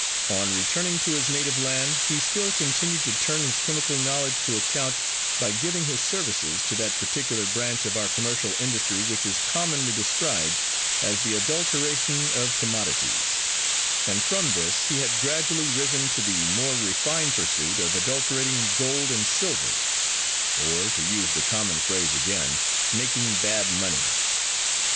On returning to his native land, he still continued to turn his chemical knowledge to account, by giving his services to that particular branch of our commercial industry which is commonly described as the adulteration of commodities; and from this he had gradually risen to the more refined pursuit of adulterating gold and silver or, to use the common phrase again, making bad money.